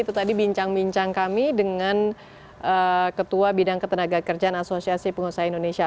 itu tadi bincang bincang kami dengan ketua bidang ketenagakerjaan as pengusaha indonesia